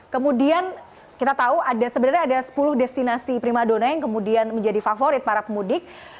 kemudian kita tahu sebenarnya ada sepuluh destinasi prima dona yang kemudian menjadi favorit para pemudik